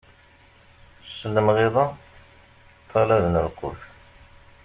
S lemɣiḍa ṭṭalaben lqut.